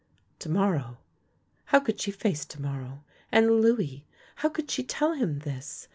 To morrow — how could she face to morrow, and Louis! How could she tell him this!